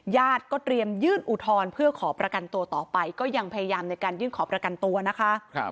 ญาติก็เตรียมยื่นอุทธรณ์เพื่อขอประกันตัวต่อไปก็ยังพยายามในการยื่นขอประกันตัวนะคะ